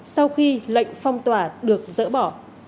sau khi lệnh phong tỏa được dỡ bỏ